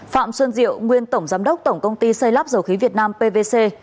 phạm xuân diệu nguyên tổng giám đốc tổng công ty xây lắp dầu khí việt nam pvc